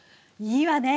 いいわね。